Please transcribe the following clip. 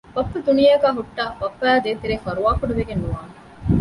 ބައްޕަ ދުނިޔޭގައި ހުއްޓައި ބައްޕައާއި ދޭތެރޭ ފަރުވާކުޑަ ވެގެން ނުވާނެ